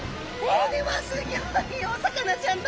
これはすギョいお魚ちゃんだ！